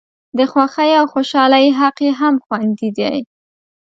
د خوښۍ او خوشالۍ حق یې هم خوندي دی.